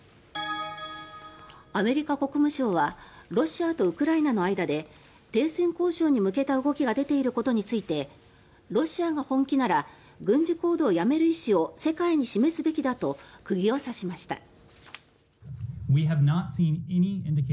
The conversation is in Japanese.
アメリカ国務省はロシアとウクライナの間で停戦交渉に向けた動きが出ていることについてロシアが本気なら軍事行動をやめる意思を世界に示すべきだと釘を刺しました。